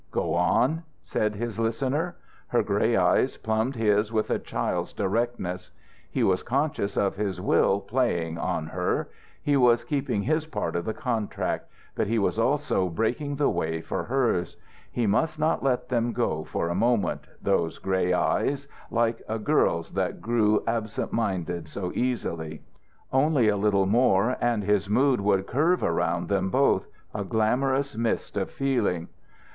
"Go on," said his listener. Her grey eyes plumbed his with a child's directness. He was conscious of his will playing on her. He was keeping his part of the contract, but he was also breaking the way for hers. He must not let them go for a moment, those grey eyes like a girl's that grew absent minded so easily. Only a little more and his mood would curve around both them, a glamorous mist of feeling.